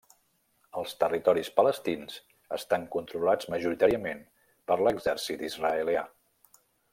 Els territoris palestins estan controlats majoritàriament per l'exèrcit israelià.